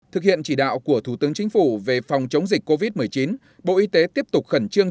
thực hiện chỉ đạo của thủ tướng chính phủ về phòng chống dịch covid một mươi chín bộ y tế tiếp tục khẩn trương